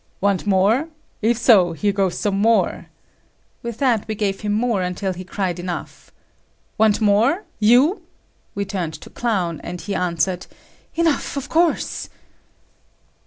"Want more? If so, here goes some more!" With that we gave him more until he cried enough. "Want more? You?" we turned to Clown, and he answered "Enough, of course."